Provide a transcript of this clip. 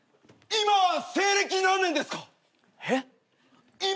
今西暦何年ですか？